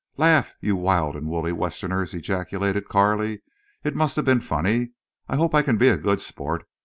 "Laugh, you wild and woolly Westerners!" ejaculated Carley. "It must have been funny. I hope I can be a good sport....